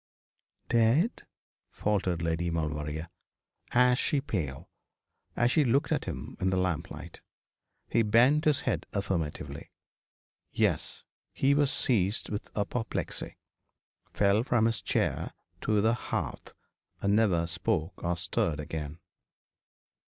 'Dead?' faltered Lady Maulevrier, ashy pale, as she looked at him in the lamplight. He bent his head affirmatively. 'Yes. He was seized with apoplexy fell from his chair to the hearth, and never spoke or stirred again.'